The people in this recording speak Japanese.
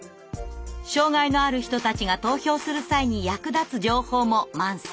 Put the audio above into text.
障害のある人たちが投票する際に役立つ情報も満載。